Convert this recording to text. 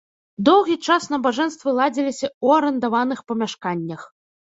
Доўгі час набажэнствы ладзіліся ў арандаваных памяшканнях.